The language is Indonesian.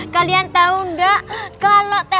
kasi tau ye